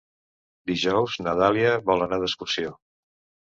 Dijous na Dàlia vol anar d'excursió.